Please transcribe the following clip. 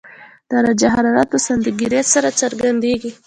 درجه حرارت په سانتي ګراد سره څرګندېږي.